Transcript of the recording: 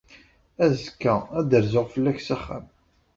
Azekka, ad d-rzuɣ fell-ak s axxam.